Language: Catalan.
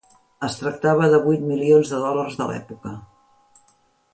Es tractava de vuit milions de dòlars de l'època.